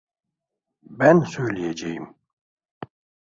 Ben söyleyeceğim.